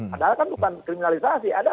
padahal kan bukan kriminalisasi